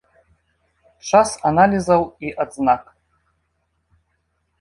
Час аналізаў і адзнак.